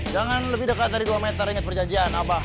jangan lebih dekat dari dua meter inget perjanjian abah